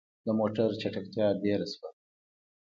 د موټر چټکتيا ډيره شوه.